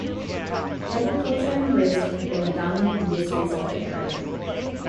Agriculture and grazing have been the dominant industries of the area.